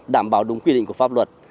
đảm bảo đúng quy định của pháp luật